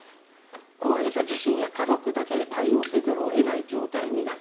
高齢者自身や家族だけで対応せざるを得ない状態になる。